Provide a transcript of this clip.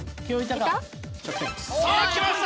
さぁきました